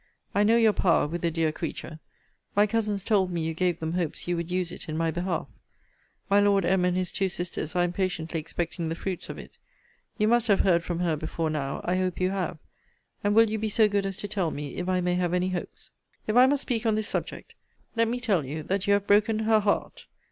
I know your power with the dear creature. My cousins told me you gave them hopes you would use it in my behalf. My Lord M. and his two sisters are impatiently expecting the fruits of it. You must have heard from her before now: I hope you have. And will you be so good as to tell me, if I may have any hopes? If I must speak on this subject, let me tell you that you have broken her heart.